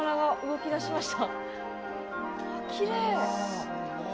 きれい！